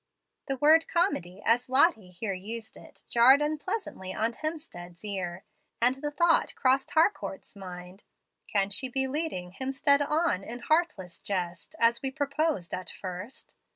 The word "comedy," as Lottie here used it, jarred unpleasantly on Hemstead's ear, and the thought crossed Harcourt's mind, "Can she be leading Hemstead on in heartless jest, as we proposed at first?